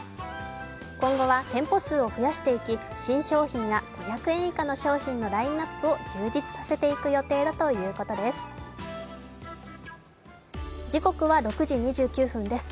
今後は店舗数を増やしていき新商品や５００円以下の商品のラインナップを充実させていく予定だということです。